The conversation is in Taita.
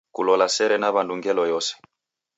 Kulole sere na wandu ngelo yose.